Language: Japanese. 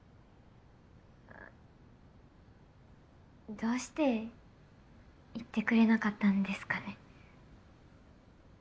どうして言ってくれなかったんですかね？